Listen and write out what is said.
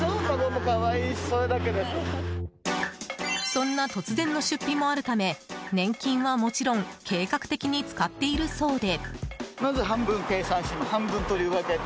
そんな突然の出費もあるため年金は、もちろん計画的に使っているそうで。